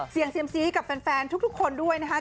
เซียมซีกับแฟนทุกคนด้วยนะคะ